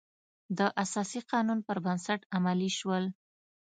د اساسي قانون پر بنسټ عملي شول.